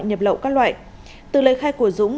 nhập lậu các loại từ lời khai của dũng